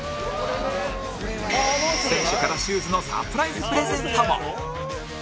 選手からシューズのサプライズプレゼントも